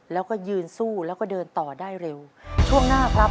แล้วก็ยืนสู้แล้วก็เดินต่อได้เร็วช่วงหน้าครับ